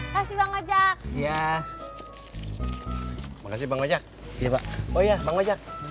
kasih bang ajak ya makasih bang ojak iya pak oh iya bang ojak